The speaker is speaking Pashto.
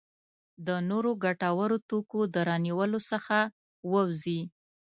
د نورو ګټورو توکو د رانیولو څخه ووځي.